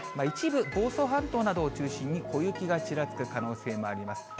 一部、房総半島などを中心に、小雪がちらつく可能性もあります。